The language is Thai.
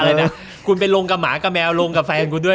อะไรนะคุณไปลงกับหมากับแมวลงกับแฟนคุณด้วย